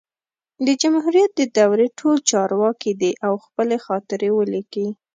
د جمهوریت د دورې ټول چارواکي دي او خپلي خاطرې ولیکي